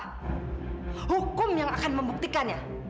hukum yang akan membuktikannya